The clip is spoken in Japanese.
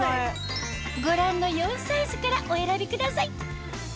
ご覧の４サイズからお選びください